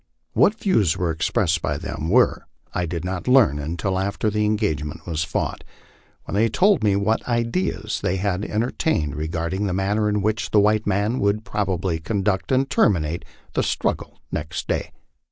What the views expressed by them were I did not learn until after the engagement was fought, when they told me what ideas they had enter tained regarding the manner in which the white men would probably conduct and terminate the struggle next day.